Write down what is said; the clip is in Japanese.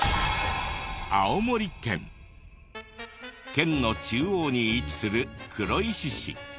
県の中央に位置する黒石市。